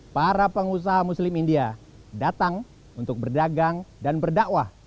para pengusaha muslim india datang untuk berdagang dan berdakwah